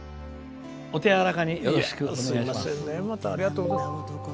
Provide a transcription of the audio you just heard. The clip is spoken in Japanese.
お手柔らかによろしくお願いします。